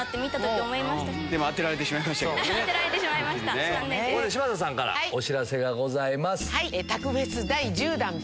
ここで柴田さんからお知らせがございます。